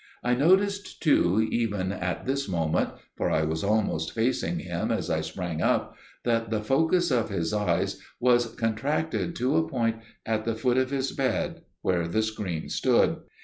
I noticed too, even at this moment, for I was almost facing him as I sprang up, that the focus of his eyes was contracted to a point at the foot of his bed where the screen stood.